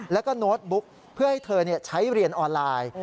แล้วก็โน้ตบุ๊กเพื่อให้เธอใช้เรียนออนไลน์